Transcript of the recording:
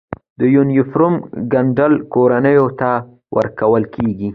د یونیفورم ګنډل کورنیو ته ورکول کیږي؟